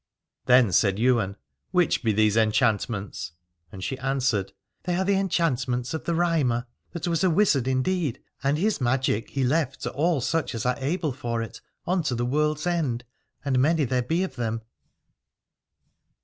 Then said Ywain : Which be these enchantments ? And she answered : They are the enchantments of the Rhymer, that was a wizard indeed: and his magic he left to all such as are able for it, unto the world's end ; and many there be of them.